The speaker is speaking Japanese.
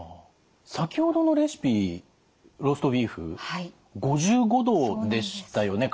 先ほどのレシピローストビーフ５５℃でしたよね